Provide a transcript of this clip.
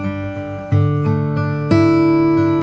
terima kasih ya mas